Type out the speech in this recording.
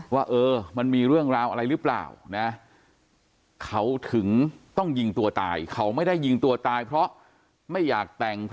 ว่าเออมันมีเรื่องราวอะไรหรือเปล่านะเขาถึงต้องยิงตัวตายเขาไม่ได้ยิงตัวตายเพราะไม่อยากแต่ง